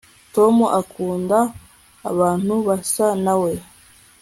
tom akunda abantu basa na we